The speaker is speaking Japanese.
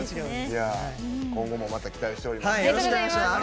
今後もまた期待してます。